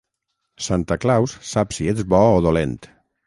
Santa Claus sap si ets bo o dolent.